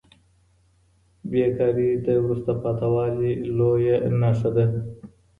بې کاري د وروسته پاته والي لویه نښه ده.